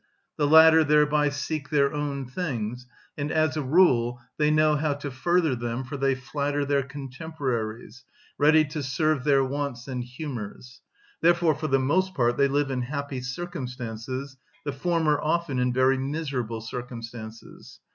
The latter thereby seek their own things, and, as a rule, they know how to further them, for they flatter their contemporaries, ready to serve their wants and humours; therefore for the most part they live in happy circumstances; the former often in very miserable circumstances.